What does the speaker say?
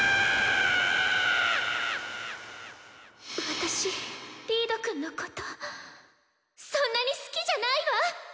私リードくんのことそんなに好きじゃないわ。